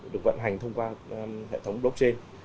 được vận hành thông qua hệ thống blockchain